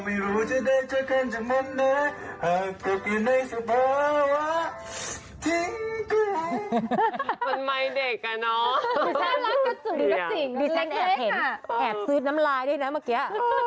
ดีแทนเห็นแอบซื้อน้ำลายด้วยนะเมื่อกี้